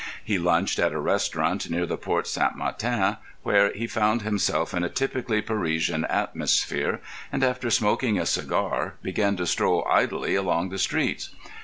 He lunched at a restaurant near the Porte St. Martin, where he found himself in a typically Parisian atmosphere, and after smoking a cigar began to stroll idly along the streets.